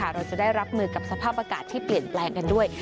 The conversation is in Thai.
เราจะได้รับมือกับสภาพอากาศที่เปลี่ยนแปลงกันด้วย